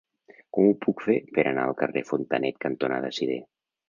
Com ho puc fer per anar al carrer Fontanet cantonada Sidé?